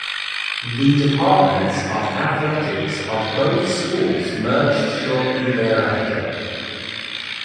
The departments of athletics of both schools merged shortly thereafter.